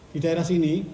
di daerah sini